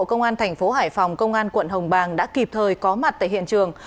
công an thành phố hải phòng công an quận hồng bàng đã kịp thời có mặt tại hiện trường